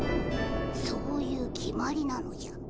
そういう決まりなのじゃ。